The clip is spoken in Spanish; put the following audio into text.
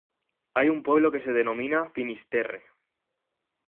Hay un pueblo que se denomina Finisterre.